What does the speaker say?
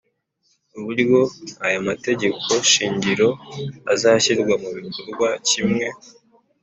Uburyo aya mategeko shingiro azashyirwa mu bikorwa kimwe